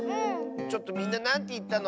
ちょっとみんななんていったの？